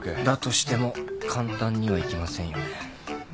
だとしても簡単にはいきませんよね。